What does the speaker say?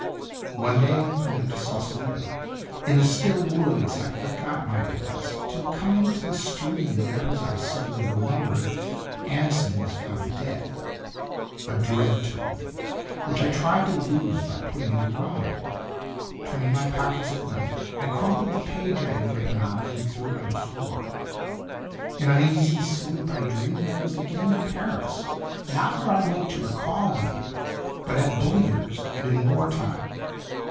One day I went to Saucelito. In the still woods I forgot my unrest till coming to the stream where, as I suddenly remembered, An son was found dead, a dread took me which I tried to lose by putting into rhyme. Turning my pockets at night, I crumpled the page I had written on, and threw it on the floor. In uneasy sleep I dreamed I was again in Paris, not where I liked to recall being, but at "Bullier's," and in war time.